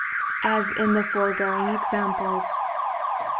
as in the foregoing examples.